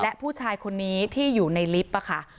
และผู้ชายคนนี้ที่อยู่ในลิฟต์ค่ะ